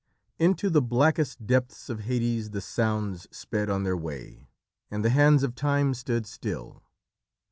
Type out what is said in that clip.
Into the blackest depths of Hades the sounds sped on their way, and the hands of Time stood still.